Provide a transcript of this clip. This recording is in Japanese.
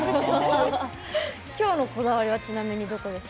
今日のこだわりは、どこですか？